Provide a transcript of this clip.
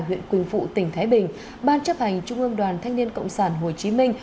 huyện quỳnh phụ tỉnh thái bình ban chấp hành trung ương đoàn thanh niên cộng sản hồ chí minh